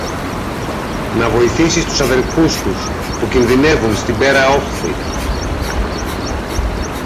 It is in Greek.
να βοηθήσεις τους αδελφούς τους, που κινδυνεύουν στην πέρα όχθη!